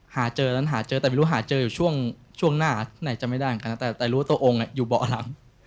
หาเจอนั้นหาเจอแต่ไม่รู้หาเจออยู่ช่วงหน้าไหนจะไม่ได้เหมือนกันนะแต่รู้ว่าตัวองค์อยู่เบาะหลัง